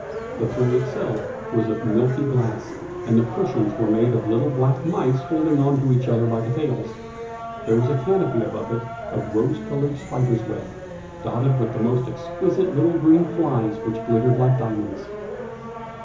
The throne itself was of milky glass, and the cushions were made of little black mice holding on to each other by the tails. There was a canopy above it of rose coloured spider's web, dotted with the most exquisite little green flies which glittered like diamonds.